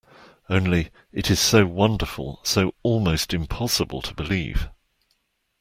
Only, it is so wonderful, so almost impossible to believe.